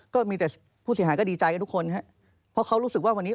ก็มีแต่ผู้เสียหายก็ดีใจกับทุกคนฮะเพราะเขารู้สึกว่าวันนี้